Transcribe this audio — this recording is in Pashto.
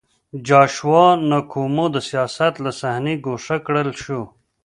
جاشوا نکومو د سیاست له صحنې ګوښه کړل شو.